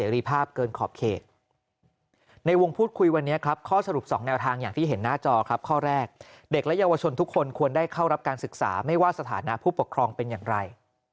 เด็กและเยาวชนทุกคนควรได้เข้ารับการศึกษาไม่ว่าสถานะผู้ปกครองเป็นอย่างไร